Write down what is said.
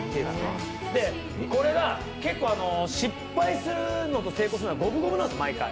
これが結構失敗するのと成功するのが五分五分なんです、毎回。